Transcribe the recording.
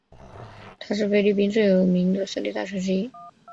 它是菲律宾最有名的私立大学之一。